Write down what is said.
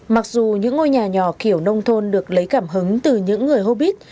mặc dù những ngôi nhà nhỏ kiểu nông thôn được lấy cảm hứng từ những người hobbit